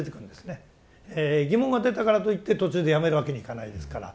疑問が出たからといって途中でやめるわけにいかないですから。